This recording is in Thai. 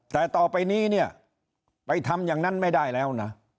แต่ต่อไปนี้เนี่ยไปทำอย่างนั้นไม่ได้แล้วนะ